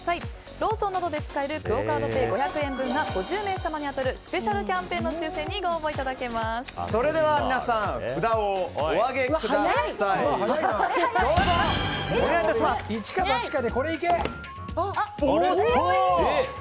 ローソンなどで使えるクオ・カードペイ５００円分が５０名様に当たるスペシャルキャンペーンの抽選にそれでは皆さん一か八かで、これいけ！